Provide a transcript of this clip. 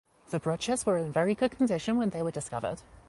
The brooches were in very good condition when they were discovered.